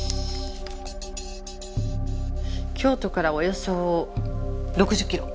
京都からおよそ６０キロ。